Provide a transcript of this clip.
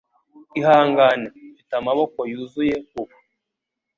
Ihangane, Mfite amaboko yuzuye ubu